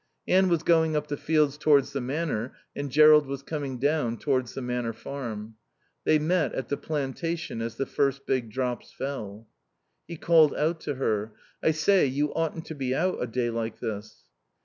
Anne was going up the fields towards the Manor and Jerrold was coming down towards the Manor Farm. They met at the plantation as the first big drops fell. He called out to her, "I say, you oughtn't to be out a day like this."